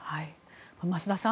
増田さん。